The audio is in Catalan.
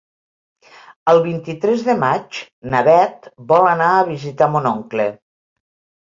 El vint-i-tres de maig na Bet vol anar a visitar mon oncle.